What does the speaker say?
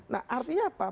nah artinya apa